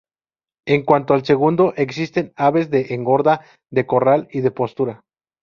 En cuanto al segundo, existen aves de engorda, de corral y de postura.